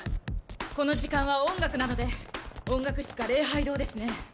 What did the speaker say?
この時間は音楽なので音楽室か礼拝堂ですね。